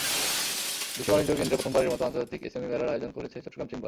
বিশ্ব বাণিজ্য কেন্দ্রে প্রথমবারের মতো আন্তর্জাতিক এসএমই মেলার আয়োজন করেছে চট্টগ্রাম চেম্বার।